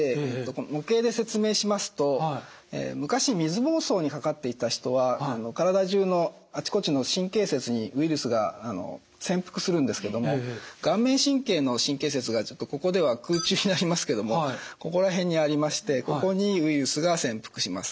模型で説明しますと昔水ぼうそうにかかっていた人は体中のあちこちの神経節にウイルスが潜伏するんですけども顔面神経の神経節がここでは空中になりますけどもここら辺にありましてここにウイルスが潜伏します。